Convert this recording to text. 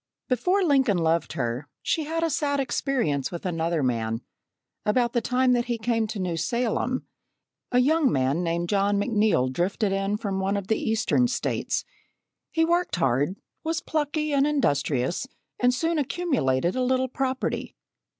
Before Lincoln loved her, she had a sad experience with another man. About the time that he came to New Salem, a young man named John McNeil drifted in from one of the Eastern States. He worked hard, was plucky and industrious, and soon accumulated a little property.